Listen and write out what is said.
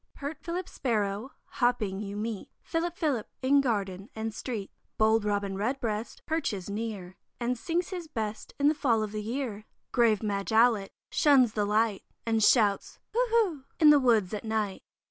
Pert Philip Sparrow hopping you meet, "Philip! Philip!" in garden and street. Bold Robin Redbreast perches near, And sings his best in the fall of the year. Grave Madge Owlet shuns the light, And shouts "hoo! hoo!" in the woods at night.